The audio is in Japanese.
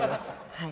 はい。